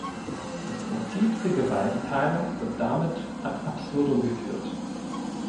Das Prinzip der Gewaltenteilung wird damit ad absurdum geführt.